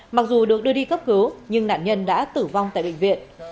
mặc dù được đưa đi cấp cứu nhưng nạn nhân đã tử vong tại bệnh viện